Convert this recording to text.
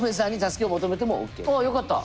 あよかった。